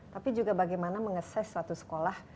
tapi juga bagaimana meng assess suatu sekolah